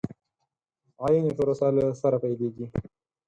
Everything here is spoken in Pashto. عين پروسه له سره پيلېږي.